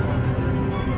apaan sih ini